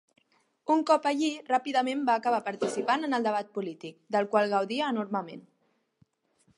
Un cop allí, ràpidament va acabar participant en el debat polític, del qual gaudia enormement.